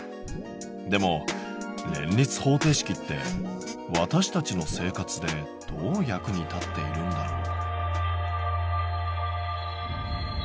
でも連立方程式って私たちの生活でどう役に立っているんだろう？